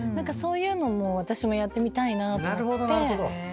そういうのも私もやってみたいなと思って。